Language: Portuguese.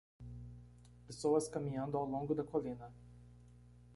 Pessoas caminhando ao longo da colina.